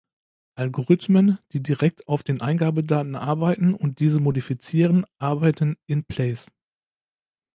Algorithmen, die direkt auf den Eingabedaten arbeiten und diese modifizieren, arbeiten in-place.